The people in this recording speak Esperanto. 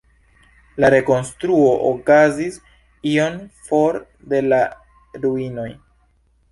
La rekonstruo okazis iom for de la ruinoj.